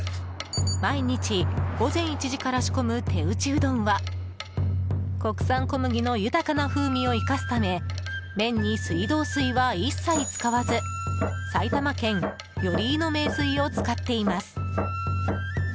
毎日午前１時から仕込む手打ちうどんは国産小麦の豊かな風味を生かすため麺に水道水は一切使わず埼玉県寄居の名水を使っています。